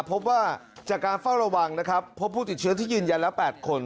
พบว่าจากการเฝ้าระวังนะครับพบผู้ติดเชื้อที่ยืนยันแล้ว๘คน